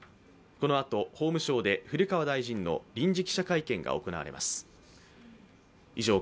このあと法務省で古川大臣の臨時記者会見が行われます。